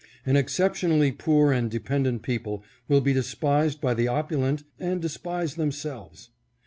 An exceptionally poor and dependent people will be despised by the opulent and despise themselves.